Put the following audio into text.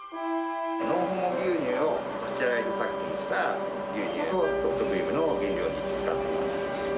ノンホモ牛乳をパスチャライズ殺菌した、牛乳を、ソフトクリームの原料に使っています。